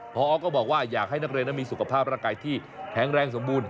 พอก็บอกว่าอยากให้นักเรียนนั้นมีสุขภาพร่างกายที่แข็งแรงสมบูรณ